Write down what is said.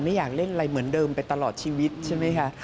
อยากเล่นอะไรเหมือนเดิมไปตลอดชีวิตใช่ไหมคะ